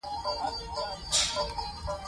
پلرونه بې زامنو شول او کورنۍ ورانې شوې.